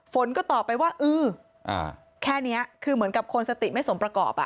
ฝนก็ตอบไปว่าเออแค่นี้คือเหมือนกับคนสติไม่สมประกอบ